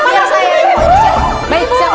baik saya akan panggil si pihak yang lain